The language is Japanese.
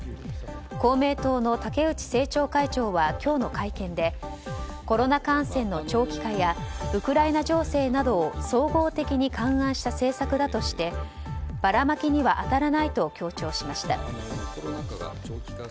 公明党の竹内政調会長は今日の会見でコロナ感染の長期化やウクライナ情勢などを総合的に勘案した政策だとしてばらまきには当たらないと強調しました。